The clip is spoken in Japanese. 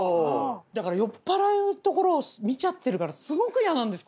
だから酔っぱらうところを見ちゃってるからすごく嫌なんです！